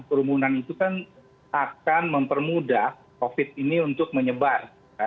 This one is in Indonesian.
kerumunan itu kan akan mempermudah covid ini untuk menyebar